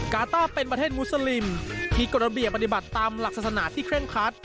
กาต้าเป็นประเทศมุสลิมที่กฎระเบียบปฏิบัติตามหลักศาสนาที่เคร่งคัด